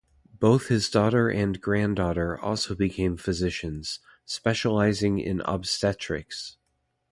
Both his daughter and granddaughter also became physicians, specializing in obstetrics.